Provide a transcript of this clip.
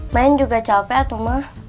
main juga capek atuma